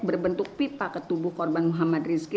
berbentuk pipa ketubuh korban muhammad rizki